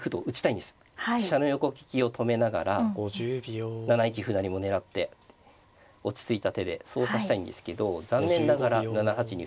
飛車の横利きを止めながら７一歩成も狙って落ち着いた手でそう指したいんですけど残念ながら７八に歩がいるので。